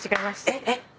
えっえっ？